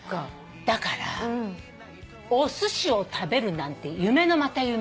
だからおすしを食べるなんて夢のまた夢。